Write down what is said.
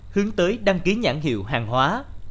hướng tới đăng ký nhãn hiệu hàng hóa